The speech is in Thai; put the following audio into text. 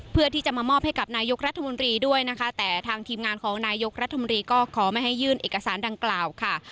เพื่อที่จะมามอบให้กับนายกรัฐมนตรีด้วยนะคะแต่ทางทีมงานของนายกรัฐมนตรีก็ขอไม่ให้ยื่นเอกสารดังกล่าวค่ะ